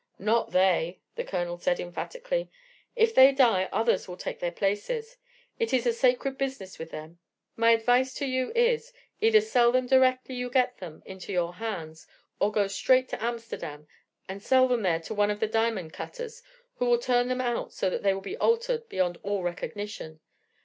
"Not they," the Colonel said emphatically. "If they die others will take their places: it is a sacred business with them. My advice to you is, either sell them directly you get them into your hands, or go straight to Amsterdam and sell them there to one of the diamond cutters, who will turn them out so that they will be altered beyond all recognition.